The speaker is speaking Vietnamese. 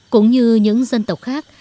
cũng như những dân tộc khác